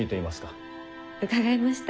伺いました。